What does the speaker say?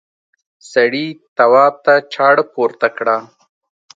سړي تواب ته چاړه پورته کړه.